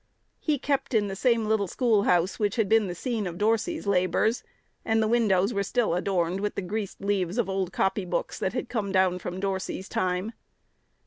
He "kept" in the same little schoolhouse which had been the scene of Dorsey's labors, and the windows were still adorned with the greased leaves of old copybooks that had come down from Dorsey's time.